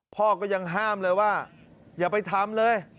พ่อก็ยังห้ามเลยว่าอย่าไปทำเลย